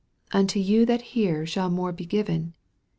" Unto you that hear shall more be given.